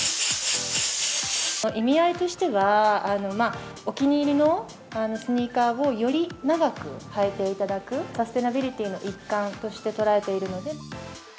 意味合いとしては、お気に入りのスニーカーをより長く履いていただく、サステイナビリティの一環として捉えているので。